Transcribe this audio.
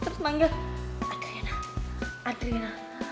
terus manggil adriana